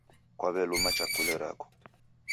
Kwaw'eluma chakule rako.